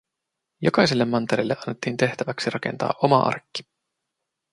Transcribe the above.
Jokaiselle mantereelle annettiin tehtäväksi rakentaa oma arkki.